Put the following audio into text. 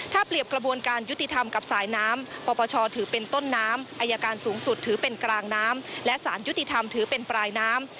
ถ้าเปรียบกระบวนการยุติธรรมกับสายน้ำปปชถือเป็นต้นน้ำอายการสูงสุดถือเป็นกลางน้ำและสารยุติธรรมถือเป็นปลายน้ำ